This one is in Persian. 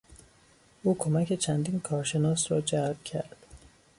او کمک چندین کارشناس را جلب کرد.